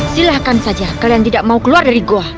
silahkan saja kalian tidak mau keluar dari goa